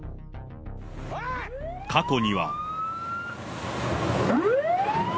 過去には。